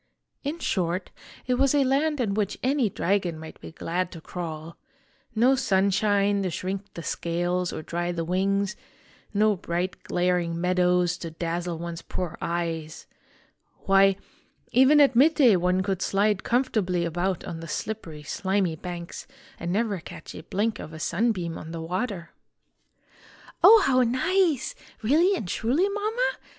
In short, it was a land in which any dragon might be glad to crawl : no sunshine to shrink the scales or dry the wings, no bright glaring meadows to dazzle one's poor eyes. Why, even at mid day one could slide comfortably about on the slippery, slimy banks and never catch a blink of a sunbeam on the water." "Oh, how nice! Really and truly, Mama?"